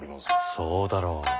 そうだろう。